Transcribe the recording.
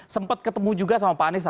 sempat ketemu juga sama pak anies